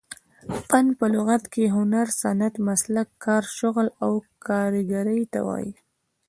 فن په لغت کښي هنر، صنعت، مسلک، کار، شغل او کاریګرۍ ته وايي.